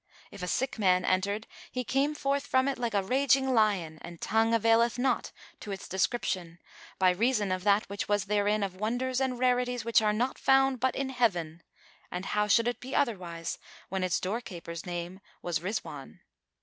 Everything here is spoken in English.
If a sick man entered it, he came forth from it like a raging lion, and tongue availeth not to its description, by reason of that which was therein of wonders and rarities which are not found but in Heaven: and how should it be otherwise when its doorkeeper's name was Rizwan?